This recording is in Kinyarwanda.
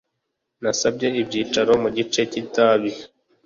Nasabye icyicaro mu gice cy'itabi.